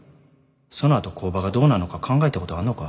そのあと工場がどうなんのか考えたことあんのか？